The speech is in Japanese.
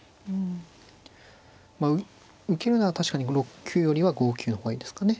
まあ受けるなら確かに６九よりは５九の方がいいですかね。